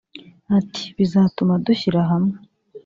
Ati ‘’ Bizatuma dushyira hamwe